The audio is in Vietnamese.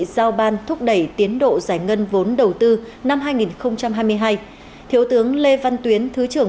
giao ban thúc đẩy tiến độ giải ngân vốn đầu tư năm hai nghìn hai mươi hai thiếu tướng lê văn tuyến thứ trưởng